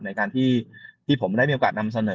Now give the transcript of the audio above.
ในการที่ผมได้มีโอกาสนำเสนอ